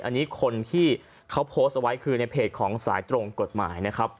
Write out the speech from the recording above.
อันนี้คนที่เขาโพสต์เอาไว้คือในเพจของสายตรงกฎหมายนะครับ